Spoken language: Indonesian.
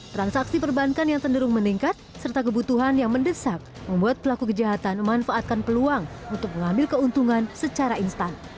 transaksi perbankan yang cenderung meningkat serta kebutuhan yang mendesak membuat pelaku kejahatan memanfaatkan peluang untuk mengambil keuntungan secara instan